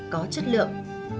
có chất lượng